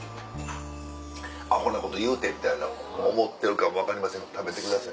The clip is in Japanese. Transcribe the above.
「アホなこと言うて」みたいな思ってるかも分かりませんが食べてください。